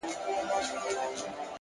علم د تصمیم نیولو توان زیاتوي!